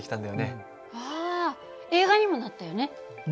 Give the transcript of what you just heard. あ映画にもなったよね。